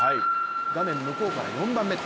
画面向こうから４番目。